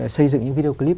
xây dựng những video clip